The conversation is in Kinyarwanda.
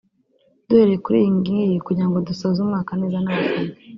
Duhereye kuri iyi ng’iyi kugirango dusoze umwaka neza n’abafana